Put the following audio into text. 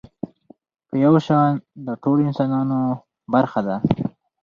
په يو شان د ټولو انسانانو برخه ده.